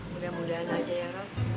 mudah mudahan aja ya roh